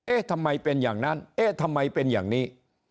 เอ๊ะทำไมเป็นอย่างนั้นเอ๊ะทำไมเป็นอย่างนี้